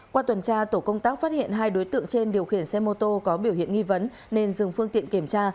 qua tuần tra tổ công tác phát hiện hai đối tượng trên điều khiển xe mô tô có biểu hiện nghi vấn nên dừng phương tiện kiểm tra